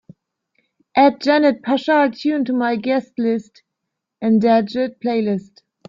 Add the Janet Paschal tune to my guest list engadget playlist.